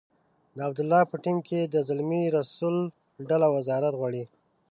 د عبدالله په ټیم کې د زلمي رسول ډله وزارت غواړي.